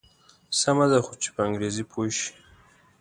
سمه ده خو چې په انګریزي پوی شي.